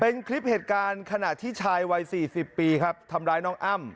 เป็นคลิปเหตุการณ์ขณะที่ชายวัย๔๐ปีครับทำร้ายน้องอ้ำ